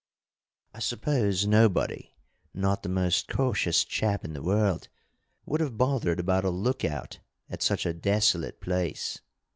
I suppose nobody, not the most cautious chap in the world, would have bothered about a lookout at such a desolate place.